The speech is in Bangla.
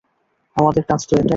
আমাদের কাজ তো এটাই।